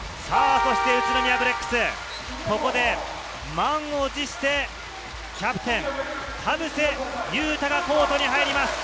そして宇都宮ブレックス、ここで満を持してキャプテン・田臥勇太がコートに入ります。